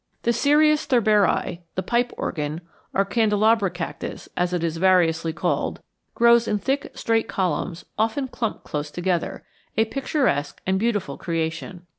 The Cereus thurberi, the pipe organ, or candelabrum cactus, as it is variously called, grows in thick straight columns often clumped closely together, a picturesque and beautiful creation.